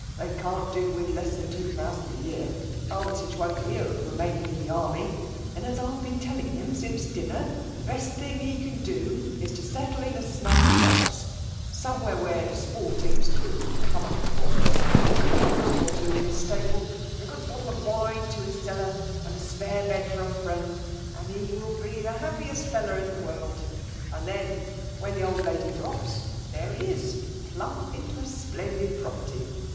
They can't do with len than two thousand a yeatf. Armytage won't hear of remaining in the anay ; and as IVo heen teOiog him suioe dinner^ the best tUiif he can do is to settle in a mug box, some* where where the aporting's good and oome^it^ able; and wUh a good horse or two in hia stable; a good bottle of wine in liis ceikr, and a spaxe bed for a friend, he will be the happiest fellow in the world ! Andj then, ^hetk Ihe old lady drv^s, — ^there he is, pluosp into a splendid property!